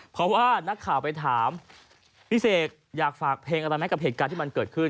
เพราะว่านักข่าวไปถามพี่เสกอยากฝากเพลงอะไรไหมกับเหตุการณ์ที่มันเกิดขึ้น